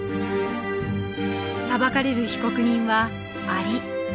裁かれる被告人はアリ。